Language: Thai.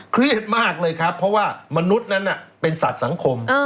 เครียดมากเลยครับเพราะว่ามนุษย์นั้นเป็นสัตว์สังคม